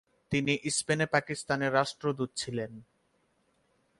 তিনি স্পেনে পাকিস্তানের রাষ্ট্রদূত ছিলেন।